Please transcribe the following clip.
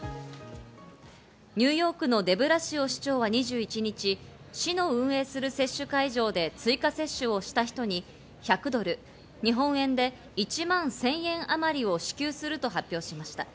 ニューヨークのデブラシオ市長は２１日、市の運営する接種会場で追加接種をした人に１００ドル、日本円で１万１０００円あまりを支給すると発表しました。